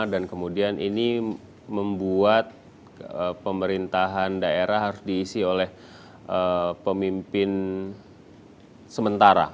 kemudian ini membuat pemerintahan daerah harus diisi oleh pemimpin sementara